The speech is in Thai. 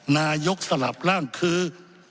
นายกสลับร่างคือ